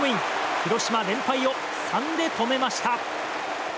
広島、連敗を３で止めました。